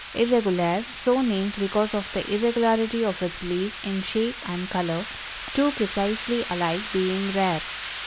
Irregulare, so named because of the irregularity of its leaves in shape and color two precisely alike being rare.